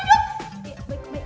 ayo cepetan duduk